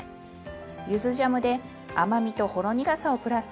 ゆずジャムで甘みとほろ苦さをプラス。